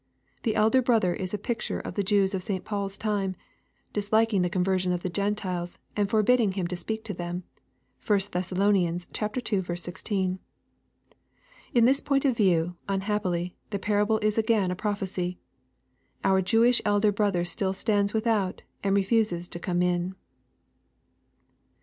The elder brother is a picture of the Jews of St. Paul's time, disliking the conversion of the Gentiles, and " forbidding him to speak to tiiem." (1 Thess. ii. 16.) In this point of view, unhappily, the parable is again a prophecy. Our Jewish elder brother still stands without and re fusesi to come in.